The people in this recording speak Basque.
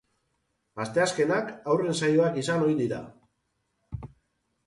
Asteazkenak haurren saioak izan ohi dira.